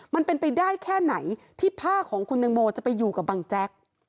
มันเป็นไปได้แค่ไหนที่ผ้าของคุณตังโมจะไปอยู่กับบังแจ๊ก